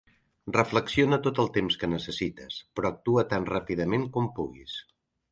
Reflexiona tot el temps que necessites, però actua tan ràpidament com pugues.